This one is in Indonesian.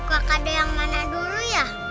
buka kado yang mana dulu ya